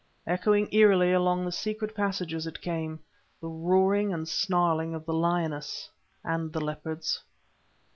Echoing eerily along the secret passages it came the roaring and snarling of the lioness and the leopards.